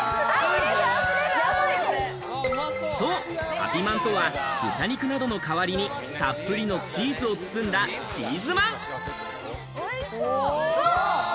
ハピまんとは豚肉などの代わりに、たっぷりのチーズを包んだチーズまん。